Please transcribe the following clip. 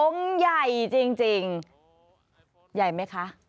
ใหญ่จริงใหญ่ไหมคะ